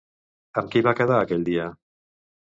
Amb qui va quedar aquell dia?